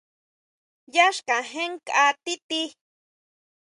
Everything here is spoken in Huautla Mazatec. Yá xkajén nkʼa ti tí.